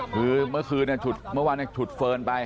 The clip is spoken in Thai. คือเมื่อคืนเนี่ยฉุดเมื่อวานเนี่ยฉุดเฟิร์นไป